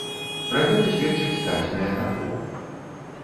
Пра гэта сведчаць дадзеныя таргоў.